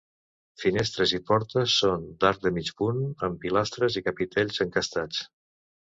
Finestres i portes són d'arc de mig punt, amb pilastres i capitells encastats.